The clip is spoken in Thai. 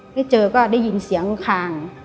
ได้เจอก็ได้ยินเสียงคาง